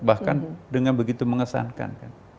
bahkan dengan begitu mengesankan